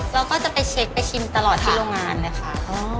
เราก็จะไปเช็คไปชิมตลอดที่โรงงานเลยค่ะ